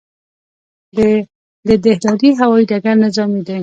د دهدادي هوايي ډګر نظامي دی